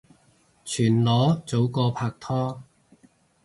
全裸早過拍拖